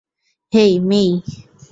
হেই, মেই।